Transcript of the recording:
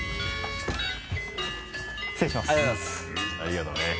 失礼します。